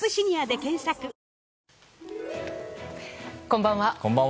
こんばんは。